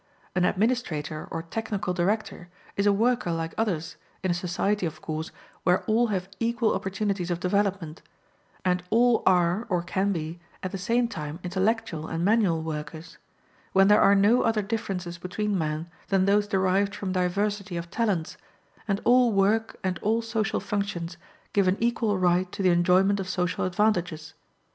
An administrator or technical director is a worker like others, in a society, of course, where all have equal opportunities of development, and all are, or can be, at the same time intellectual and manual workers; when there are no other differences between men than those derived from diversity of talents, and all work and all social functions give an equal right to the enjoyment of social advantages.